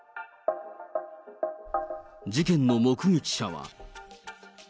事件の目撃者は。